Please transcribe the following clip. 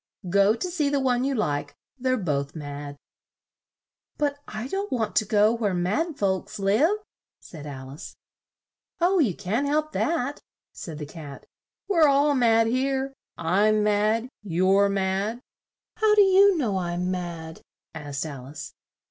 Go to see the one you like; they're both mad." "But I don't want to go where mad folks live," said Al ice. "Oh, you can't help that," said the Cat, "we're all mad here. I'm mad. You're mad." "How do you know I'm mad!" asked Al ice.